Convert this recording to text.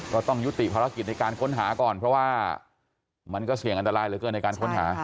ก็ต้องยุติภารกิจในการค้นหาก่อนเพราะว่ามันก็เสี่ยงอันตรายเหลือเกินในการค้นหา